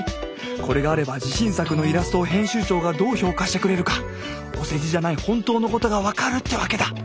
これがあれば自信作のイラストを編集長がどう評価してくれるかお世辞じゃない本当のことが分かるってわけだ。